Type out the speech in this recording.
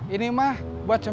ini mah buat sembilan aja